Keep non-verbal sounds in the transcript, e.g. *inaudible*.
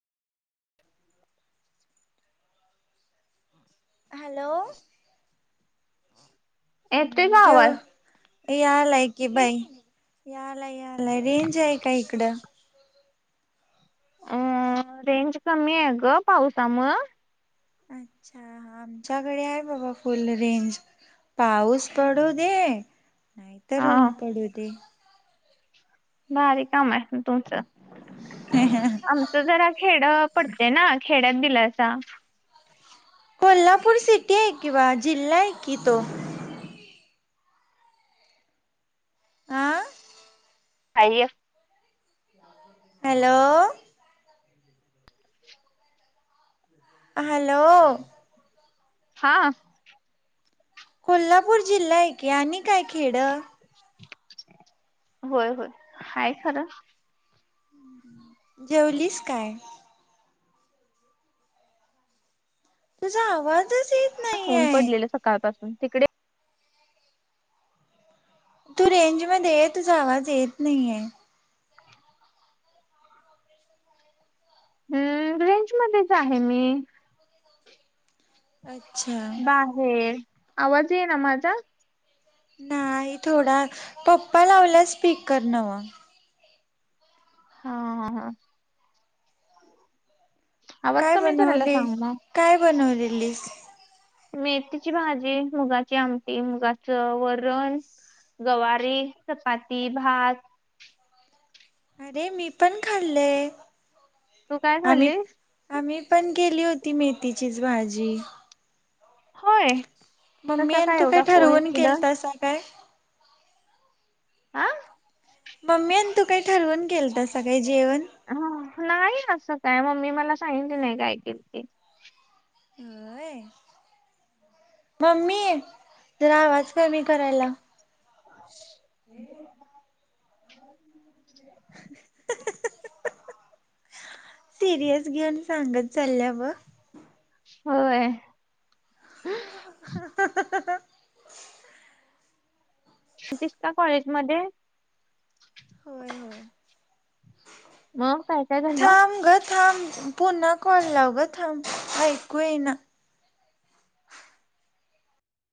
Hello येतोय का आवाज? जेव यालाय की बाई यालाय यालाय रेंज आहे का इकडं. अ रेंज कमी आहे ग पावसा मूळ. अच्छा आमच्याकडे आहे बाबा फुल रेंज पाऊस पडू दे नाहीतर ऊन हा पडू दे. भारी काम आहे तुमचं. ह हा. आमचं जरा खेड पडतय ना खेड्यात दिलासा. कोल्हापूर सिटी आहे की बाळ जिल्हा आहे की तो. आ? हाय. हॅलो. हॅलो. हा. कोल्हापूर जिल्हा आहेे की आणि काय खेडं. होय होय हाय खरं. जेवलीस काय? तुझा आवाजच ये ऊन पडलेलं सकाळपासून तिकडे? तू रेंज मध्ये ये तुझा आवाज येत नाहीेये. हम्म रेंज मध्येच आहे मी. अच्छा. हे आवाज ये ना माझा? नाही थोडा पप्पा लावल्या स्पीकर नव्ह. हा ह ह आवाज काय कमी करायला बनवली सांग मग काय बनवलेलीस? मेथीची भाजी, मुगाची आमटी, मुगाचं वरण. गवारी चपाती भात. अरे मीपण खाल्ले. तू काय खाल्लीस? आम्ही पण केेली होती मेथीचीच भाजी. होय. मम्मी कसा आणि तू एवढा काय ठरवून केलत कोइन्सिडन्स? सा काय. आह? मम्मी आणि तू काही ठरवून केलतासा काय जेवण? हा नाही असं काय मम्मी मला सांगितली नाही काय केलती. होए, मम्मी ये जरा आवाज कमी करायला लाव. *inaudible* *unintelligible* सिरियस घेऊन सांगत चालल्या बघ. होय. *unintelligible* क्षितिज का कॉलेज मध्ये? होय होय, मग काय काय झालं? थांब ग. थांब पुन्हा कॉल लाव ग थांब ऐकू येईना.